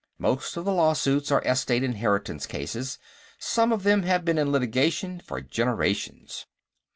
Most of the lawsuits are estate inheritance cases; some of them have been in litigation for generations."